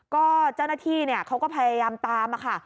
ก็เจ้าหน้าที่เขาก็พยายามตามค่ะ